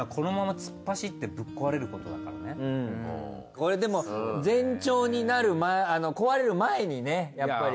これでも前兆になる壊れる前にねやっぱり。